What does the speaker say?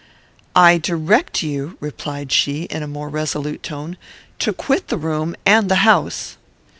"I direct you," replied she, in a more resolute tone, "to quit the room and the house."